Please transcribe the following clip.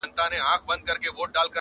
هغه د پېښې حقيقت غواړي ډېر,